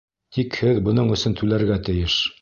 Тик һеҙ бының өсөн түләргә тейеш.